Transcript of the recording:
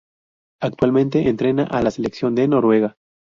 Actualmente entrena a la Selección de Noruega.